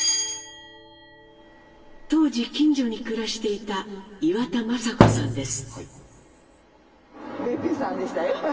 当時近所に暮らしていた岩田昌子さんです。